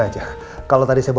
kalau tadi saya baru berbicara pak